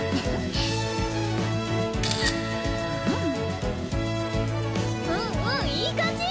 うんうんいい感じ！